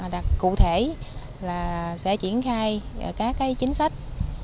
đặc cụ thể là sẽ triển khai các chính sách